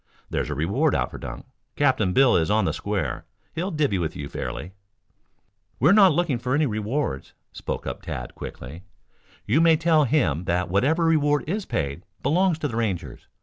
There's a reward out for Dunk. Captain Bill is on the square. He'll 'divvy' with you fairly." "We are not looking for any rewards," spoke up Tad quickly. "You may tell him that whatever reward is paid, belongs to the Rangers.